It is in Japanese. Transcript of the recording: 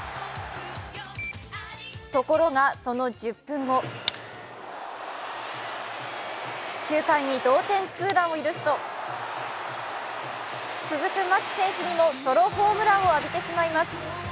ところが、その１０分後９回に同点ツーランを許すと続く牧選手にもソロホームランを浴びてしまいます。